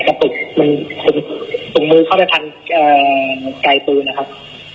มันตุงมือเข้าไปทันใกล้ตัวนะครับ